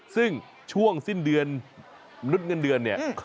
ซึ่งช่วงสิ้นเดือนนุดเงินเดือน